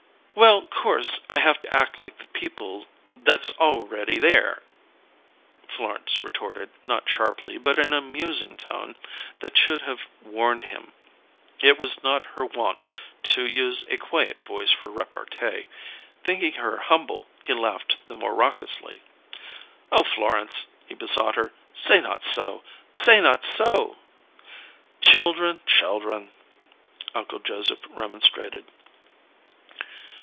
"Well, course I haf to act like the people that's already there," Florence retorted, not sharply, but in a musing tone that should have warned him. It was not her wont to use a quiet voice for repartee. Thinking her humble, he laughed the more raucously. "Oh, Florence!" he besought her. "Say not so! Say not so!" "Children, children!" Uncle Joseph remonstrated.